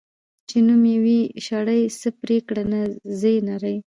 چی نوم یی وی شړي ، څه پریکړه ځه نري .